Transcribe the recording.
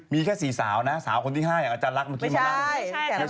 มีแค่สี่สาวสาวคนที่ห้าอาจารย์รักมาชื่อมาแรง